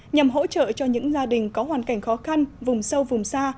nhằm hỗ trợ cho những gia đình có hoàn cảnh khó khăn vùng sâu vùng xa